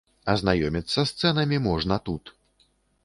Азнаёміцца з цэнамі можна тут.